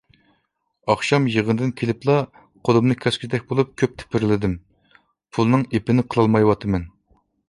ئاخشام يىغىندىن كېلىپلا قولۇمنى كەسكۈدەك بولۇپ كۆپ تېپىرلىدىم، پۇلنىڭ ئېپىنى قىلالمايۋاتىمەن.